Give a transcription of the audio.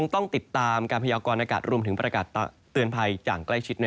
ต้องติดตามการพยากรณากาศรวมถึงประกาศเตือนภัยอย่างใกล้ชิด